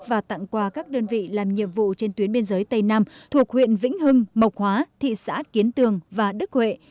và tặng quà các đơn vị làm nhiệm vụ trên tuyến biên giới tây nam thuộc huyện vĩnh hưng mộc hóa thị xã kiến tường và đức huệ